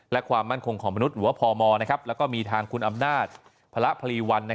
และความมั่นคงของมนุษย์หรือว่าพมแล้วก็มีทางคุณอำนาจพระพลีวัน